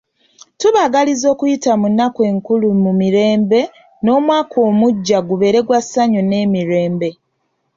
Tubaagaliza okuyita mu nnaku enkulu mu mirembe n'omwaka omuggya gubeere gwa ssanyu n'emirembe.